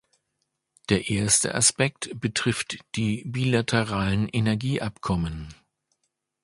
Der erste Aspekt betrifft die bilateralen Energieabkommen.